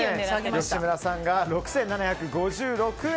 吉村さんが６７５６円。